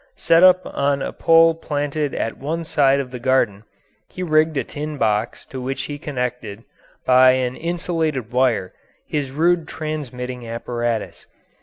Set up on a pole planted at one side of the garden, he rigged a tin box to which he connected, by an insulated wire, his rude transmitting apparatus.